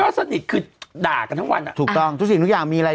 สนิทคือด่ากันทั้งวันอ่ะถูกต้องทุกสิ่งทุกอย่างมีอะไร